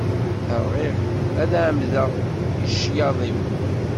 Rɣiɣ, ad ɛemmdeɣ i ccyaḍ-iw.